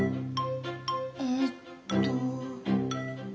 えっと。